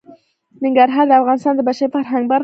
ننګرهار د افغانستان د بشري فرهنګ برخه ده.